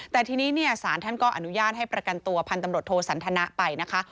แต่ทีนี้เนี่ยสารท่านก็อนุญาตให้ประกันตัวพันธุ์ตำรวจโทสันทนะไปนะคะ